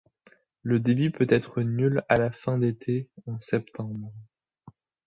Le débit peut être nul à la fin d'été en septembre.